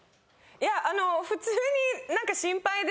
いやあの普通に。